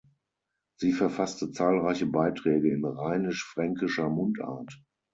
Sie verfasste zahlreiche Beiträge in rheinisch-fränkischer Mundart.